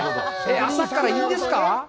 朝からいいんですか！？